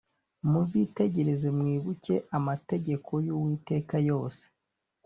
muzitegereze mwibuke amategeko y uwiteka yose